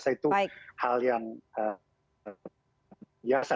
itu hal yang biasa